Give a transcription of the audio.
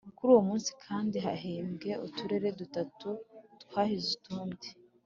Kuri uwo munsi kandi hahembwe Uturere dutatu twahize utundi